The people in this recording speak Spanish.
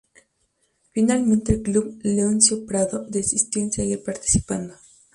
Finalmente el club Leoncio Prado, desistió en seguir participando.